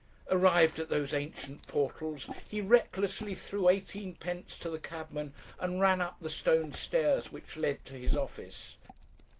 "Arrived at those ancient portals, he recklessly threw eighteenpence to the cabman, and ran up the stone stairs which led to his office.